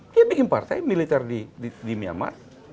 dia bikin partai militer di myanmar